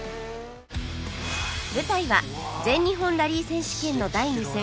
舞台は全日本ラリー選手権の第２戦新城ラリー